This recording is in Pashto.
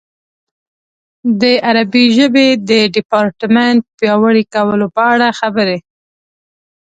د عربي ژبې د ډیپارټمنټ پیاوړي کولو په اړه خبرې.